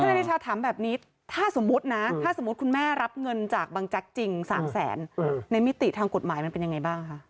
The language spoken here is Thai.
นายเดชาถามแบบนี้ถ้าสมมุตินะถ้าสมมุติคุณแม่รับเงินจากบางแจ๊กจริง๓แสนในมิติทางกฎหมายมันเป็นยังไงบ้างคะ